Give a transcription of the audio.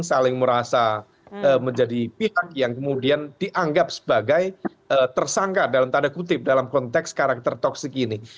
saling merasa menjadi pihak yang kemudian dianggap sebagai tersangka dalam tanda kutip dalam konteks karakter toksik ini